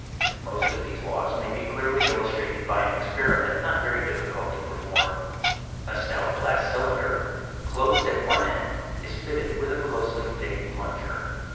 Most of these laws may be clearly illustrated by an experiment not very difficult to perform. A stout glass cylinder, closed at one end, is fitted with a closely fitting plunger.